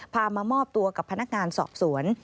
มามอบตัวกับพนักงานสอบสวน